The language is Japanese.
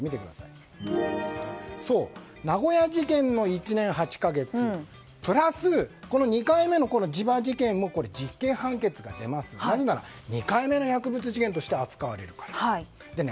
名古屋事件の１年８か月プラス２回目の千葉事件も実刑判決が出ますので２回目の薬物事件として扱われるからです。